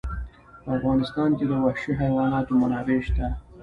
په افغانستان کې د وحشي حیواناتو منابع شته.